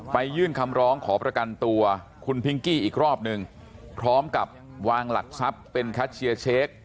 ยื่นคำร้องขอประกันตัวคุณพิงกี้อีกรอบนึงพร้อมกับวางหลักทรัพย์เป็นแคชเชียร์เช็ค